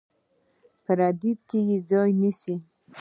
په ردیف کې یې ځای نیسي.